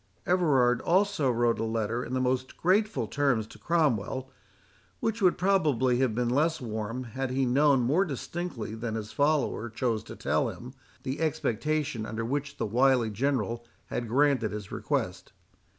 Everard also wrote a letter in the most grateful terms to Cromwell, which would probably have been less warm had he known more distinctly than his follower chose to tell him, the expectation under which the wily General had granted his request.